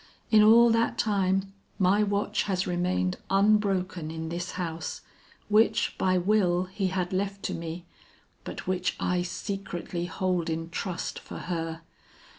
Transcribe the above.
In all that time my watch has remained unbroken in this house, which by will he had left to me, but which I secretly hold in trust for her.